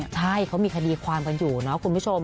ใช่เขามีคดีความกันอยู่เนาะคุณผู้ชม